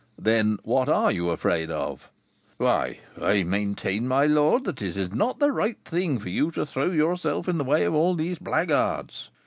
"Then what are you afraid of?" "Why, I maintain, my lord, that it is not the right thing for you to throw yourself in the way of all these blackguards.